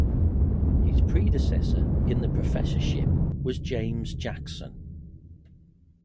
His predecessor in the professorship was James Jackson.